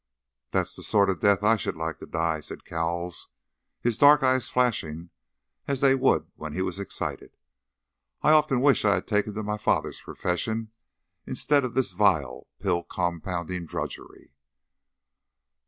"That's the sort of death I should like to die," said Cowles, his dark eyes flashing, as they would when he was excited; "I often wish I had taken to my father's profession instead of this vile pill compounding drudgery."